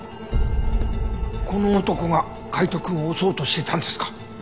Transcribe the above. この男が海斗くんを襲おうとしてたんですか？